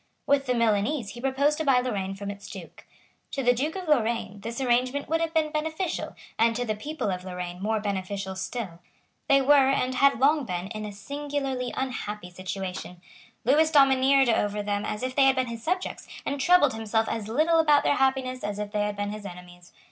With the Milanese he proposed to buy Lorraine from its Duke. To the Duke of Lorraine this arrangement would have been beneficial, and to the people of Lorraine more beneficial still. They were, and had long been, in a singularly unhappy situation. Lewis domineered over them as if they had been his subjects, and troubled himself as little about their happiness as if they had been his enemies.